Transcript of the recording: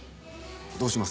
どうします？